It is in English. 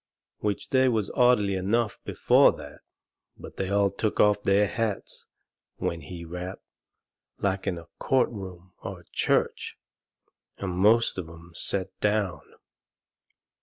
Which they was orderly enough before that, but they all took off their hats when he rapped, like in a court room or a church, and most of 'em set down.